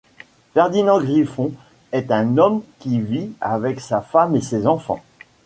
Ferdinand Griffon est un homme qui vit avec sa femme et ses enfants.